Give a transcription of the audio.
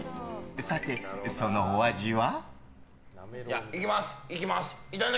さて、そのお味は？